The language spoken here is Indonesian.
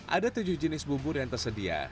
ada tujuh jenis bubur yang tersedia